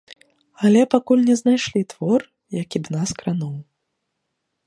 Але пакуль не знайшлі твор, які б нас крануў.